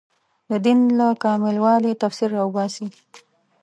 د دین له کامل والي تفسیر راوباسي